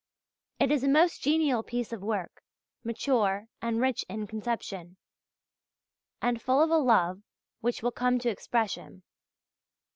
It is a most genial piece of work, mature and rich in conception, and full of a love which will come to expression.